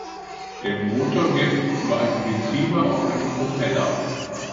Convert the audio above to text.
Der Motor wirkt über ein Getriebe auf einen Propeller.